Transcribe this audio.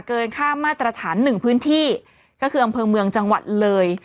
เกินค่ามาตรฐานหนึ่งพื้นที่ก็คืออำเภอเมืองจังหวัดเลย